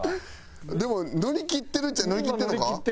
でも乗り切ってるっちゃ乗り切ってるのか？